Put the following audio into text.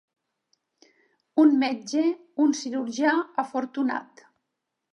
Un metge, un cirurgià, afortunat.